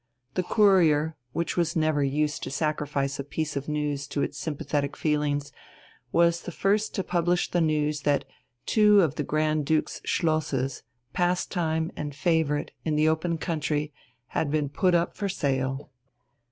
The Courier, which was never used to sacrifice a piece of news to its sympathetic feelings, was the first to publish the news that two of the Grand Duke's schlosses, "Pastime" and "Favourite," in the open country, had been put up for sale.